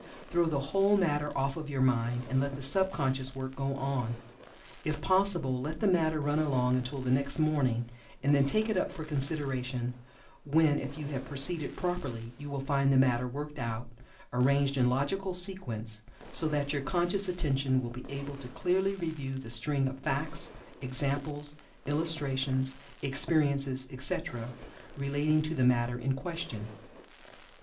Throw the whole matter off of your mind, and let the sub conscious work go on. If possible let the matter run along until the next morning and then take it up for consideration, when, if you have proceeded properly you will find the matter worked out, arranged in logical sequence, so that your conscious attention will be able to clearly review the string of facts, examples, illustrations, experiences, etc., relating to the matter in question.